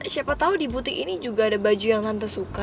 siapa tahu di butik ini juga ada baju yang hanta suka